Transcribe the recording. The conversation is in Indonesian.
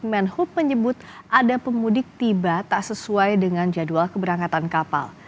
menhub menyebut ada pemudik tiba tak sesuai dengan jadwal keberangkatan kapal